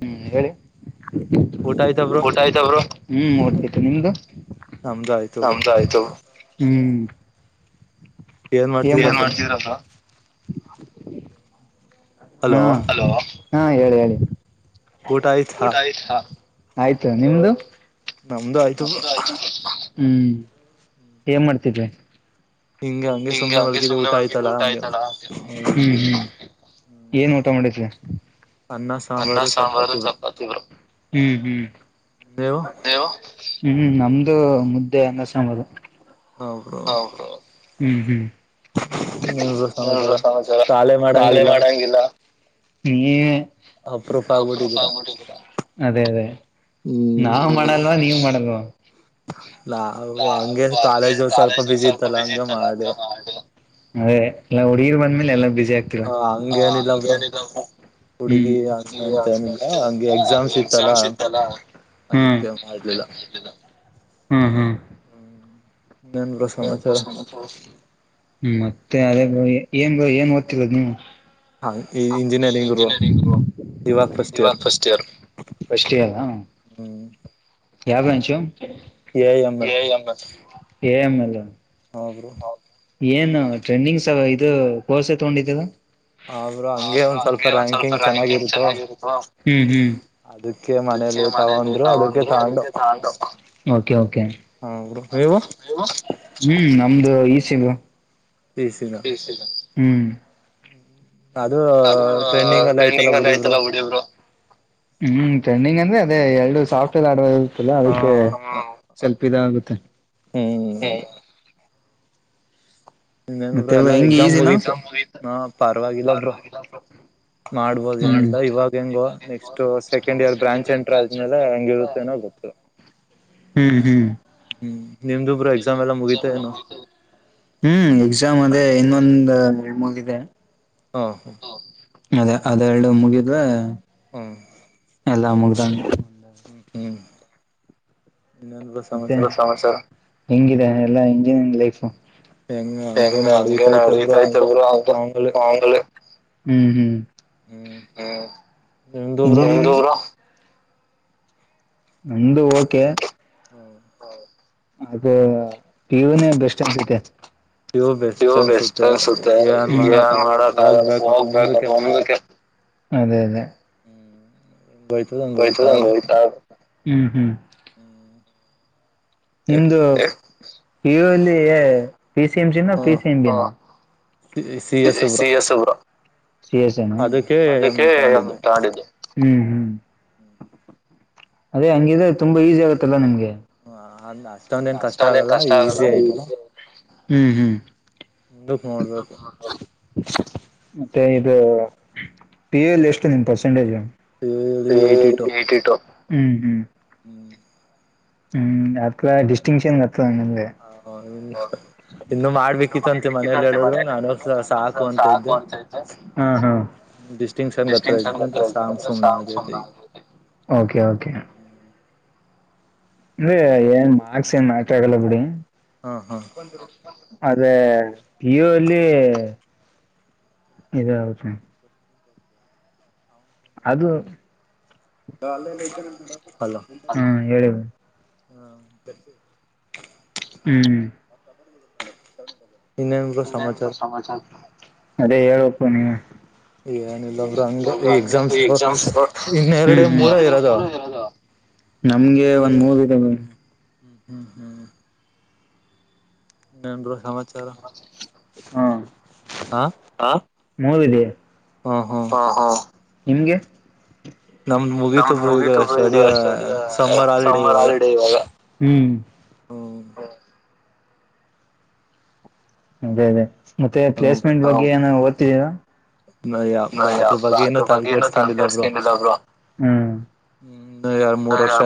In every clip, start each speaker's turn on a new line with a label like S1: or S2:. S1: ಹ್ಮ್ ಹೇಳಿ ಊಟ ಆ ಹ್ಮ [unintelligible] ನಿಮ್ದು ನಮ್ದ ಆಯ್ತ ಬ್ರೋ ಹ್ಮ್. ಏನ ಮಾಡ್ತಿದ್ರಾ ಬ್ರೋ. ಹಾಹಲೋ ಹಾ ಹೇಳಿ ಹೇಳಿ ಊಟಾ ಆಯ್ತಾ. ಆಯ್ತು ನಿಮ್ದು.
S2: ನಮ್ದು ಆಯ್ತು ಬ್ರೋ.
S1: ಹ್ಮ್.
S2: [inaudible]
S1: ಏನ್ ಮಾಡ್ತಿಯಾ [inaudible] ಹಿಂಗ ಹಂಗೆ ಸುಮ್ನೆ ಒಳಗ ಊಟ ಆಯ್ತಾಲ್ಲ ಹ್ಮ್ ಹ್ಮ್ [inaudible] ಏನ್ ಊಟ ಮಾಡಿದಿಯಾ ಅನ್ನ ಸಾಂಬಾರು ಚಪಾತಿ ರೊಟ್ಟಿ ಹ್ಮ ಹ್ಮ್ ಹ್ಮ್ ನಮ್ದು ಮುದ್ದೆ ಅನ್ನ ಸಾಂಬಾರು
S2: [inaudible]
S1: ಹ್ಮ್ ಹ್ಮ್
S2: [unintelligible]
S1: ಹ್ಮ ಸಮಾಚಾರ ಕಾಲೆ ಮಾಡಂಗಿಲ್ಲ ನೀವೇ [inaudible] ಅದೇ ಅದೇ ನಾವ್ ಮಾಡಲ್ವಾ ನೀವು ಮಾಡಲ್ವ? ಹಂಗೆ ಕಾಲೇಜ್ ಸ್ವಲ್ಪ ಬಿಜಿ ಇತ್ತಲ್ಲ ಹಂಗ ಮಾಡಿ ಅದೇ ಎಲ್ಲ ಹುಡುಗಿರ್ ಬಂದ್ಮೇಲೆ ಎಲ್ಲಾ ಬಿಜಿ ಅಕ್ಕಿರಿ ಹೆಂಗೇನ ಇಲ್ಲ ಪಾ [unintelligible] ಹ್ಮ್ [inaudible] ಹ್ಮ್ ಹ್ಮ್
S2: [inaudible] [inaudible]
S1: ಮತ್ತೆ ಅದೇ ಭೂಮಿ ಏನ್ ಏನ್ ಓದ್ತಿರೋದು ನೀವು. ಈಗ ಇಂಜಿನಿಯರಿಂಗ್ ಬ್ರೊ ಇವಾಗ first year first year? Yeah batch ಎ ಎಬ್ಬತ್ತ ಎ ಮ ಲ ಏನ್ ಟ್ರೆಂಡಿಂಗ ಸ ಇದು ಕೋರ್ಸೆ ತಗೊಂಡಿದ್ದರಾ ರಾತ್ರಿ ಅಂಗ ಒಂದ್ ಸ್ವಲ್ಪ ರ್ಯಾಂಕಿಂಗ್ ಚೆನ್ನಾಗಿರ ಹ್ಮ್ಮ್ ಹ್ಮ್ಮ್ [unintelligible] ಹ್ಮ್ ನಮ್ದು ಈಸಿದ ಹ್ಮ್ ಅದು ಟ್ರೆಂಡಿಂಗ್ ಅಲ್ಲಿ ಆಯ್ತಲ್ಲ ಉಡಿಯಬ್ರು ಹ್ಮ್ ಟ್ರೆಂಡಿಂಗ್ ಅಂದ್ರೆ ಅದೇ ಎರಡು ಸಾಫ್ಟ್ವೇರ್ ಅಡ್ವೈಸರ್ಸ್ಲ್ಲ ಅದಕ್ಕೆ ಹ್ಮ್ಮ್ ಇದ ಆಗುತ್ತೆ
S2: ಹ್ಮ್
S1: ಮತ್ತೆಲ್ಲ ಹೆಂಗ ಈಸಿನ ಮತ್ತ್ ಎಕ್ಸಾಮ್ ಮುಗಿತ್ [unintelligible] ಹ್ಮ್ ಹ್ಮ್
S2: ಹ್ಮ್ ನಿಮ್ದು ಬ್ರೊ ಎಕ್ಸಾಮ್ ಎಲ್ಲ ಮುಗಿತ ಏನೋ
S1: ಹ್ಮ್ ಎಕ್ಸಾಮ್ ಅದೇ ಇನ್ನೊಂದ
S2: [inaudible]
S1: ಅದೇ ಅದೆರಡು ಮುಗಿದ್ರೆ...
S2: [inaudible]
S1: ಅರ್ಧ ಮುಗದಂಗ
S2: [inaudible]
S1: ಮತ್ತೆ ಸಮಚಾರ ಹೆಂಗಿದೆ ಎಲ್ಲಾ ಇಂಜಿನಿಯರಿಂಗ್ ಲೈಫ್. ಹೆಂಗ ಹಂಗೆ ನಡತಾಯ್ತ ಬ್ರೊ ಆಂಗ್ಳ ಹ್ಮ್ ಹ್ಮ್ [inaudible] ನಿಂದುರ ನಂದು ಓಕೆ. ಹ್ಮ್. ಅದ ಪಿಯುನೇ ಬೆಸ್ಟ ಅನ್ಸತೆ. ಪಿಯು ಬೆಷ್ಟ ಅನ್ಸುತ್ತೆ ಈಗ ಏನ್ ಮಾಡಕ್ ಆಗಲ್ಲ ಹೋಗ್ಬೇಕ ಅಲ ಮುಂದಿಕ್ಕೆ. ಅದೇ ಅದೇ
S2: ಹ್ಮ್ ಹೆಂಗೆ ಹೋಯ್ತದ ಹಂಗೆ ಹೋಯ್ತಾಯಿರಬೇಕು.
S1: ಹ್ಮ್ ಹ್ಮ್
S2: [inaudible]
S1: ನಿಮ್ದು ಪಿ ಯು ಅಲ್ಲಿ ಪಿ ಸಿ ಎಂ ಸಿನ, ಪಿ ಸಿ ಎಂ ಬಿ ನಾ.
S2: C S bro.
S1: C S ನಾ ಅದಕ್ಕೆ ಇದನ್ನ ತಕೊಂಡಿದ್ದು.
S2: [inaudible]
S1: ಅದೇ ಹಂಗಿದ್ರೆ ತುಂಬಾ ಈಸಿ ಆಗತ್ತಲ್ಲ ನಿಮಗೆ..
S2: ಹಾ.
S1: ಅಷ್ಟನು ಕಷ್ಟ ಆಗಲ್ಲ. ಹ್ಮ್ ಹ್ಮ್. ಮತ್ತೆ ಇದು ಪಿ ಯು ಎಲ್ಲಿ ಎಷ್ಟು ನಿನ್ನ ಪರ್ಸೆಂಟೇಜ್. ಪಿ ಯು ಅಲ್ಲಿ ಎಯಿಟಿ ಟೂ.
S2: ಹ್ಮ್.
S1: ಹ್ಮ್ ಅದ್ಕ ಡಿಸ್ಟಿಂಕ್ಷನ್ ಗತ್ತ ನಿಮ್ಗೆ.
S2: [unintelligible] ಇನ್ನು ಮಾಡ್ಬೇಕಿತ್ತು ಅಂತೆ ಮನೇಲಿ ಹೇಳುದ್ರು ನಾನು ಸಾಕು ಅಂತ ಇದ್ದೆ ಡಿಸ್ಟಿಂಕ್ಷನ್ ಹತ್ತಿರ ಇದ್ದೆ ಅಂದ್ರೆ ಸಾಕು ಸುಮ್ ಅದೇ.
S1: Okay okay. ಅ ಮಾರ್ಕ್ಸ್ ಏನ್ ಮ್ಯಾಟ್ರು ಆಗಲ್ಲ ಬಿಡಿ. ಆದ್ರೆ ಪಿ ಯು ಅಲ್ಲಿ ಇದು.
S2: [inaudible]
S1: ಅದು.
S2: ಹಲೋ.
S1: ಹಾ ಹೇಳು.
S2: [unintelligible]
S1: ಹ್ಮ್.
S2: ಇನ್ನೇನು ಬ್ರೋ ಸಮಾಚಾರ.
S1: ಸಮಾಚಾರ. ಅದೇ ಹೇಳಬೇಕು ಬ್ರೋ ನೀವೇ. ಹ್ಮ್ ಹ್ಮ್. ನಮ್ಗೆ ಒಂದ್ ಮೂರು ಇದೆವೇ.
S2: ಹ್ಮ್ ಹ್ಮ್ ಹ್ಮ್ ಏನ್ ಬ್ರೋ ಸಮಾಚಾರ.
S1: ಹ್ಮ.
S2: ಹಾ.
S1: ಹ ಮೂರು ಇದೆ ಹ ಹ ನಿಮ್ಗೆ. ನಮ್ದು ಮುಗಿತು ಬ್ರೋ ಸ್ಟಡಿ ಸಮ್ಮರ್ ಹಾಲಿಡೇ ಈವಾಗ.
S2: ಹ್ಮ
S1: ಅದೇ ಅದೇ ಮತ್ತೆ ಪ್ಲೇಸ್ಮೆಂಟ್ ಬಗ್ಗೆ ಏನ ಓದ್ತಿದ್ದೀರಾ. ಬ್ರೋ ಅದ್ರ ಬಗ್ಗೆ ಇನ್ನು ತಲೆ ಕೆಡಿಸಿಕೊಂಡಿಲ್ಲ ಬ್ರೋ.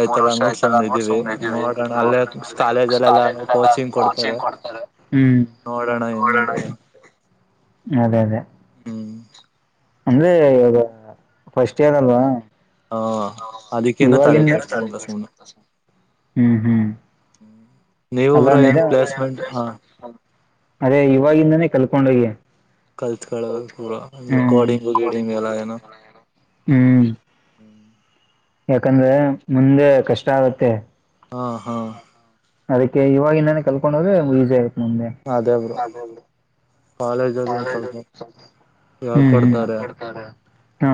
S1: ಮೂರ್ ವರ್ಷ ಆಯ್ತಲ್ಲ ನೋಡಿ ಸುಮ್ನೆ ಇದೀವಿ ನೋಡೋಣ ಅಲ್ಲೇ ಕಾಲೇಜು. ಕೋಚಿಂಗ್ ಕೊಡ್ತಾರೆ ಹ್ಮ್.
S2: ನೋಡೋಣ ಹೆಂಗೆ.
S1: ಅದೇ ಅದೇ.
S2: [inaudible]
S1: ಅಂದ್ರೆ ಇವಾಗ ಫಸ್ಟ ಇಯರ್ ಅಲ್ವಾ? [inaudible] ಇವಾಗಿನ ಹ್ಮ್ ಹ್ಮ್
S2: ಹ್ಮ ನೀವ ಬ್ರೊ ಏನ್ ಪ್ಲೇಸ್ಮೆಂಟ್ ಹ
S1: ಅದೇ ಇವಾಗಿಂದಾನೇ ಕಲ್ಕೊಂಡೋಗಿ [inaudible] ಹ್ಮ [unintelligible] ಹ್ಮ್
S2: [inaudible]
S1: ಯಾಕಂದ್ರೆ ಮುಂದೆ ಕಷ್ಟ ಆಗತ್ತೆ.
S2: ಹಾ ಹಾ
S1: ಅದಕ್ಕೆ ಇವಾಗಿಂದಾನೆ ಕಲ್ಕೊಂಡ್ ಹೋದ್ರೆಅದ್ ಈಸಿ ಆಗುತ್ತ ಮುಂದೆ [inaudible] ಅದೇ ಅದೇ. ಕಾಲೇಜ್ ಬುಕ್ಸ್ ಹ್ಮ್ ಕೊಡತಾರೆ ಹ್ಮ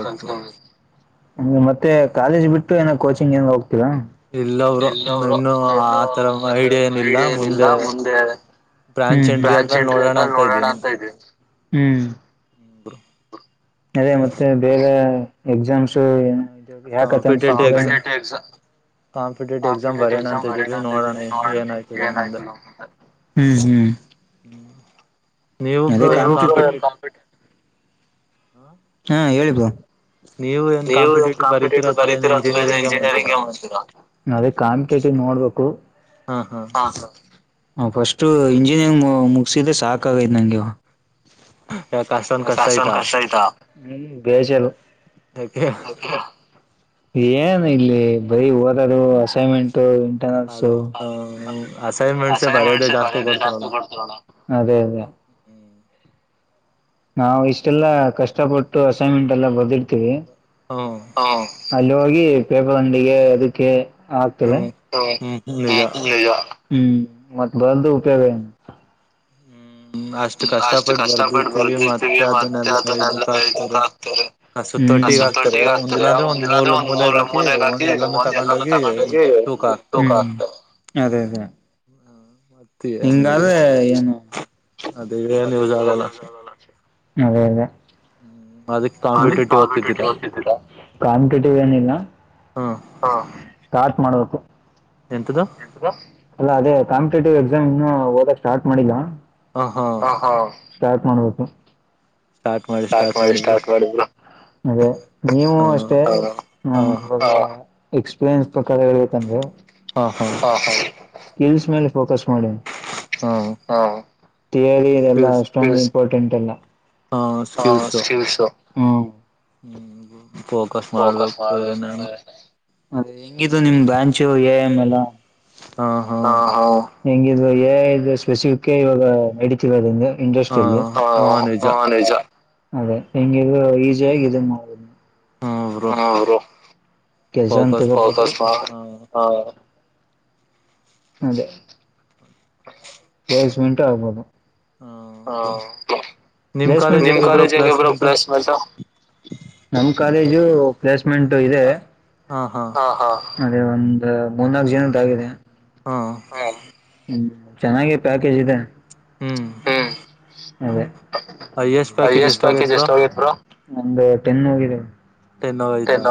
S1: [unintelligible] ಮತ್ತೆ ಕಾಲೇಜ್ ಬಿಟ್ಟು ಏನೋ ಕೋಚಿಂಗ್ ಏನೋ ಹೋಗ್ತೀರಾ. ಎಲ್ಲವರು ಇನ್ನೂ ಆ ತರ ಐಡಿಯಾ ಏನಿಲ್ಲ ಮುಂದೆ ಹ್ಮ ಬ್ರಾಂಚ್ ಎಂಟ್ರಿ ಆದ್ಮೇಲ್ ನೋಡೋಣ ಅಂತ ಇದೀವಿ ಹ್ಮ.
S2: [unintelligible]
S1: ಅದೇ ಮತ್ತೆ ಬೇಗ ಎಕ್ಸಾಮ್ಸು ಏನೋ ಇದಾವೆ ಯಾಕ ಅಂತ ಅನಸ್ತೈತಿ ಕಾಂಪಿಟೇಟಿವ್ ಎಕ್ಸಾ ಕಾಂಪಿಟೇಟಿವ್ ಎಕ್ಸಾಮ್ ಬರಿಯನ ಅಂತಿದಿನಿ ನೋಡನ ಹ್ಯಾಂಗ್ ಏನಾತದೋ ಮುಂದೆ. ಹ್ಮ್ ಹ್ಮ್
S2: ಹ್ಮ [inaudible] ನೀವಿಬ್ರೂ ಏನ್ ಕಾಂಪಿಟೇಟಿ
S1: ಹ್ಮ ಹೇಳಿ ಬ್ರೋ. ನೀವು ಏನ್ ಕಾಂಪಿಟೇಟಿವ್ ಬರಿತೀರಾ ಅಥವಾ ಇಂಜಿನೆರಿಂಗೆ ಹೋಗತೀರಾ ಅದೇ ಕಾಂಪಿಕೆಟಿವ್ ನೋಡ್ಬೇಕು.
S2: ಹಾ ಹಾ
S1: ಹಾ ಫಸ್ಟು ಇಂಜಿನಿಯರಿಂಗ್ ಮುಗಿಸಿದ್ರೆ ಸಾಕಾಗೈತ ನನಗೆ ಇವಾಗ್ [unintelligible] ಹ್ಮ್ ಬೇಜಾರು. [unintelligible] ಏನ್ ಇಲ್ಲಿ ಬರಿ ಓದದು ಅಸೈನ್ಮೆಂಟು. ಸೋ ಅಸೈನ್‌ಮೆಂಟ್ಸೇ ಬರಿಯೋದೇ ಜಾಸ್ತಿ [unintelligible] ಅದೇ ಅದೇ.
S2: [inaudible]
S1: ನಾವ್ ಇಷ್ಟೆಲ್ಲ ಕಷ್ಟಪಟ್ಟು ಅಸೈನ್‌ಮೆಂಟೆಲ್ಲಾ ಬರ್ದಿರ್ತಿವಿ. ಹ ಅಲ್ಲಿ ಹೋಗಿ ಪೇಪರ್ ಅಂಗಡಿಗೆ ಅದಕ್ಕೆ. ಆಗ್ತದೆ [unintelligible] ಹ್ಮ ಮತ್ ಬರದು ಉಪಯೋಗ ಏನು.
S2: ಹ್ಮ ಅ
S1: ಹ ಅಷ್ಟ್ ಕಷ್ಟಪಟ್ಟ ಬರ್ದಿರ್ತೀವಿ ಮತ್ತೆ ಅದನ್ನೆಲ್ಲಾ ಇದಕ್ ಹಾಕ್ತಾರೆ. [unintelligible] ಕಸದ ತಟ್ಟೆಗೆ ಹಾಕತಾರೆ ಒಂದ ಒಂದ್ ಇರೋದೇ ಮೂಲ್ ಮೂಲೇಗ ಹಾಕಿ ಎಲ್ಲಾನು ತಗೊಂಡೋಗಿ. [unintelligible] ಅದೇ ಅದೇ.
S2: [inaudible]
S1: ಹಂಗಾದ್ರೆ ಏನು [unintelligible] ಅದೇ ಅದೇ. [unintelligible] ಕಾಂಪಿಟೇಟಿವ್ ಏನ್ ಇಲ್ಲ ಸ್ಟಾರ್ಟ್ ಮಾಡ್ಬೇಕು.
S2: [inaudible]
S1: ಅಲ್ಲ ಅದೇ ಕಾಂಪಿಟೇಟಿವ್ ಎಕ್ಸಾಮ್ ಇನ್ನೂ ಓದಕೆ ಸ್ಟಾರ್ಟ್ ಮಾಡಿಲ್ಲ. ಹ ಹಾ ಸ್ಟಾರ್ಟ್ ಮಾಡ್ಬೇಕು ಸ್ಟಾರ್ಟ್ ಮಾಡಿ ಸ್ಟಾರ್ಟ್ ಮಾಡಿ ಬ್ರೋ. ಅದೇ ನೀವು ಅಷ್ಟೇ. [inaudible] ಹು ಸ್ಪೆ ಅನ್ನ್ಸುತು ಕರೆ ಹೇಳ್ಬೇಕಂದ್ರೆ.
S2: ಹ ಹ.
S1: ಹ ಹ ಸ್ಕಿಲ್ಸ್ ಮೇಲೆ ಫೋಕಸ್ ಮಾಡಿ.
S2: ಹಾ.
S1: ಹ ತಿಯರಿ ಇದೆಲ್ಲಾ ಅಷ್ಟೊಂದು ಇಂಪಾರ್ಟೆಂಟ್ ಇಲ್ಲ. ಹಾ ಸ್ಕಿಲ್ಸು ಹ್ಮ.
S2: ಹ್ಮ್ ಫೋಕಸ್ ಮಾಡ್ಬೇಕು ಏನನ.
S1: ಹೆಂಗ ಇದು ನಿಮ branch A I M L ಹ ಹ. ಹೆಂಗಿದ ಏಐ ಸ್ಪೆಸಿಫಿಕ್. [unintelligible] [unintelligible] ಇಂಡಸ್ಟ್ರಿಯಲ್ಲಿ ಹ ಹ ನಿಜ. ಅದೇ ಹೆಂಗ ಇದು ಈಜಿಯಾಗಿ ಇದನ್ನ ಮಾಡ. ಹ ಹಲೋ ಕೆಲಸಂತ ಹ. [inaudible] ಅದೇ. ಪ್ಲೇಸ್ಮೆಂಟು ಆಗ್ಬಹದು. ಹ ಪ್ಲೇಸ್ಮೆಂಟ್ ನಿಮ್ ಕಾಲೇಜ್ ಹೆಂಗೆ ಬ್ರೋ ಪ್ಲೇಸ್ಮೆಂಟ್. ನಮ್ಮ್ ಕಾಲೇಜು ಪ್ಲೇಸ್ಮೆಂಟ್ ಇದೆ ಹಾ ಹಾ. ಅದೇ ಒಂದ ಮೂರ್ನಾಲ್ಕು ಜನದ ಆಗಿದೆ. ಹ್ಮ ಚೆನ್ನಾಗಿ ಪ್ಯಾಕೇಜ್ ಇದೆ. ಹ್ಮ್ ಅದೇ ಹೈ ಎಷ್ಟ್ ಪ್ಯಾಕೇಜ್ ಎಷ್ಟ ಆಗೆತ ಬ್ರೋ. ಒಂದು ಟೆನ್ ಹೋಗಿದೆ.
S2: ಟೆನ್ ಹೋಯಿತಾ.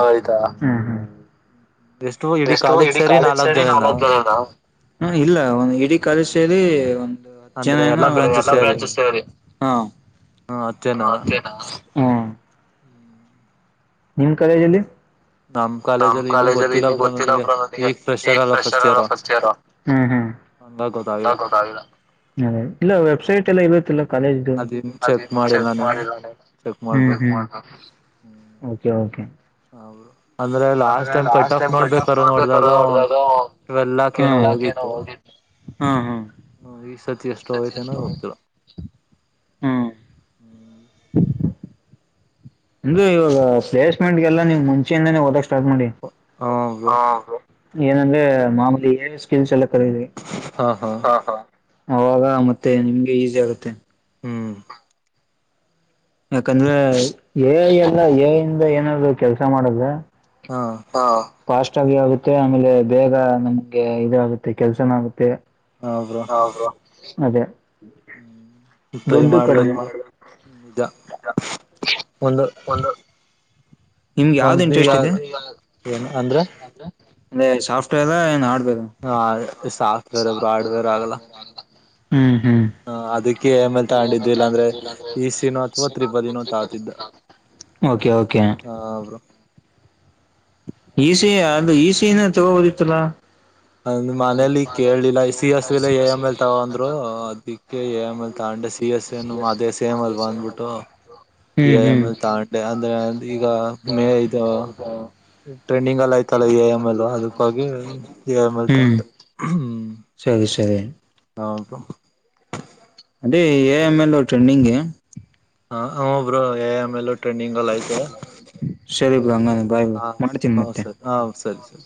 S1: ಎಷ್ಟ ಇಡೀ ಕಾಲೇಜ್ ಸೇರಿ ನಲ್ವತ್ತ ಇಲ್ಲ ಒ ಇಡೀ ಕಾಲೇಜ್ ಸೇರಿ ಒ ಜನಾ ಏನು ಎಲ್ಲಾ ಬ್ರಾಚಸ ಸೇರಿ ಹಾ ಅದೇ ನಾ. ಹ್ಮ್. ನಿಮ್ ಕಾಲೇಜಲ್ಲಿ.
S2: ನಮ್ ಕಾಲೇಜಲ್ಲಿ ಇನ್ನುೂ ಗೊತ್ತಿಲ್ಲ ಬ್ರೋ ನನಗೆ ಈಗ್ ಫ್ರೆಷರ್ ಅಲ್ವಾ ಫಸ್ಟ್ ಇಯರ್. ಹಂಗಾಗ ಗೊತ್ತಾಗಿಲ್ಲ.
S1: ಅ ಇಲ್ಲ ವೆಬ್ಸೈಟ್ ಎಲ್ಲಾ ಇರುತ್ತಿಲ್ಲ. ಕಾಲೇಜುದು ಅದೇ ಚೆಕ್ ಮಾಡಿಲ್ಲ ಹ್ಮ್ ಚೆಕ್ ಮಾಡಬೇಕು ಹ್ಮ್. Okay okay.
S2: ಹೌದ. ಅಂದ್ರೆ ಲಾಸ್ಟ್ ಟೈಮ್ ಕಟ್ ಆಫ್ ನೋಡ್ಬೇಕಾರ ನೋಡಿದಾಗ ಟ್ವೆಲ್ ಲಾಕ್ ಏನೋ ಹೋಗಿತ್ತು.
S1: ಹ್ಮ ಹ್ಮ್ [inaudible] ಹ್ಮ್. [inaudible] ಅದು ಇವಾಗ ಪ್ಲೇಸ್ಮೆಂಟ್ಗೆಲ್ಲ ನೀವ ಮುಂಚೆಯಿಂದಾನ ಓದಕ ಸ್ಟಾರ್ಟ್ ಮಾಡಿ ಹಾ ಬ್ರೋ. ಏನಂದ್ರೆ ಮಾಮೂಲಿ ಏನು ಸ್ಕಿಲ್ಸ್ ಎಲ್ಲ ಕರೀದ್ವಿ.
S2: ಹಾ ಹಾ.
S1: ಹ ಹಾ ಅವಾಗ ಮತ್ತೆ ನಿಮ್ಗೆ ಈಸಿ ಆಗುತ್ತೆ.
S2: ಹ್ಮ್.
S1: ಯಾಕಂದ್ರೆ ಎಐ ಅಲ್ಲಾ ಎಐ ಇಂದ ಏನಾದ್ರು ಕೆಲ್ಸ ಮಾಡದ್ರೆ.
S2: ಹಾ.
S1: ಹ ಫಾಸ್ಟ್ ಆಗ ಆಗುತ್ತೆ ಆಮೇಲೆ ಬೇಗ ನಮ್ಗೆ ಇದಾಗುತ್ತೆ ಕೆಲ್ಸನ ಆಗುತ್ತೆ. ಹಾ ಬ್ರೋ ಅದೇ.
S2: ಹ್ಮ್ ಟ್ರೈ ಮಾಡ್ಬೇಕ ಬ್ರೋ ನಿಜ ಒಂದು.
S1: ನಿಮಗೆ ಯಾವ್ದ ಇಂಟ್ರೆಸ್ಟ್ ಇದೆ ಅಂದ್ರೆ ಸಾಫ್ಟ್ವೇರ್ ಏನ ಹಾರ್ಡ್ವೇರ್. [inaudible] ಹ್ಮ್ ಹ್ಮ್.
S2: ಹ ಅದಿಕ್ಕೆ ಆ ಮೇಲೆ ತಗೊಂಡಿದ್ದು ಇಲ್ಲಾಂದ್ರೆ ಈಸಿನೋ ಅಥವಾ ತ್ರಿಬಲಿನೋ ತಾಗತಿದ್ದೆ.
S1: Okay okay. ಈಸ ಅದು ಈಸಿನೆ ತಗೋಬೋದಿತ್ತಲಾ.
S2: ಅಂದ್ ಮನೇಲಿ ಕೇಳಲಿಲ್ಲ ಸಿ ಎಸ್ ಇಲ್ಲ ಎ ಐ ಏಮ್ ಎಲ್ ತಗೋ ಅಂದ್ರು ಅದಿಕ್ ಕೆ ಎ ಐ ಎಮ್ ಎಲ್ ತಗಂಡೆ ಸಿ ಎಸ್ ಏನು ಅದೇ ಸೇಮ್ ಅಲ್ವ ಬಂದ್ಬುಟ್ಟು. ಎ ಐ ಎಮ್ ಎಲ್ ತಗಂಡೆ ಅಂದ್ರೆ ಈಗ ಮೇ ಇದು. ಟ್ರೆಂಡಿಂಗ್ ಎಲ್ ಆಯ್ತಲ್ಲ ಎ ಐ ಎಮ್ ಎಲ್ ಅದಕ್ಕಾಗಿ ಎ ಎಮ್ ಎಲ್ ತಗೊಂಡೆ ಹ್ಮ್.
S1: ಶರಿ ಶರಿ.
S2: ಹೌದು.
S1: ಅದೆ ಎ ಐ ಎಂ ಎಲು ಟ್ರೆಂಡಿಂಗೆ.
S2: ಹ ಹು bro A I M L ಟ್ರೆಂಡಿಂಗಲ್ ಐತೆ, ಹ ಹು ಸರಿ ಹು ಸರಿ ಸರಿ.